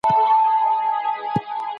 سیاستوال د خلګو رایو ته اړتیا لري.